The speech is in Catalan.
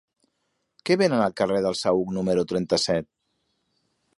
Què venen al carrer del Saüc número trenta-set?